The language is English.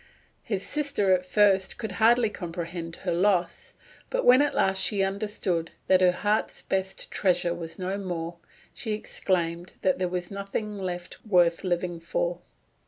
His sister at first could hardly comprehend her loss; but when at last she understood that her heart's best treasure was no more, she exclaimed that there was nothing left worth living for.